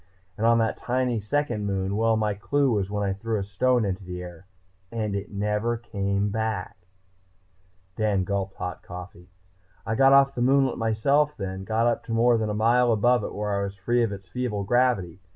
And on that tiny second moon well, my clue was when I threw a stone into the air and it never came back." Dan gulped hot coffee. "I got off the moonlet myself then, got up to more than a mile above it where I was free of its feeble gravity.